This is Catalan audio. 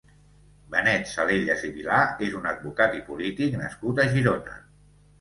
Benet Salellas i Vilar és un advocat i polític nascut a Girona.